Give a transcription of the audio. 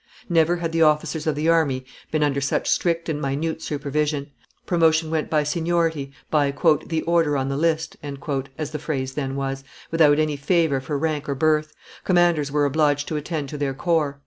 Never had the officers of the army been under such strict and minute supervision; promotion went, by seniority, by "the order on the list," as the phrase then was, without any favor for rank or birth; commanders were obliged to attend to their corps.